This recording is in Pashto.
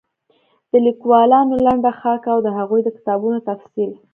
د ليکوالانو لنډه خاکه او د هغوی د کتابونو تفصيل